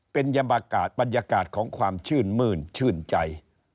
เป็นบรรยากาศของความชื่นมืนชื่นใจ